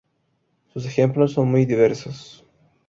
Sus ejemplos son muy diversos.